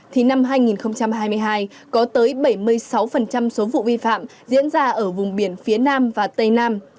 thì năm hai nghìn hai mươi hai có tới bảy mươi sáu số vụ vi phạm diễn ra ở vùng biển phía nam và tây nam